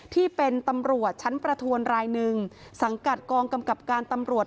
ที่เป็นตำรวจชั้นประทวนรายหนึ่งสังกัดกองกำกับการตำรวจ